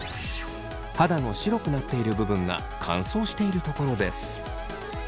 肌の白くなっている部分が乾燥している所です。